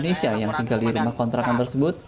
indonesia yang tinggal di rumah kontrakan tersebut